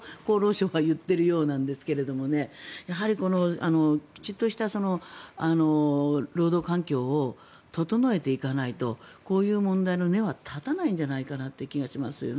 そういう理屈を厚労省は言っているようなんですがやはりこのきちんとした労働環境を整えていかないとこういう問題の根は絶たない気がします。